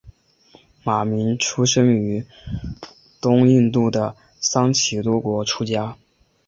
马鸣生于东印度的桑岐多国出家。